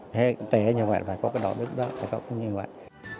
thế tế như vậy phải có cái đạo đức đó phải có như vậy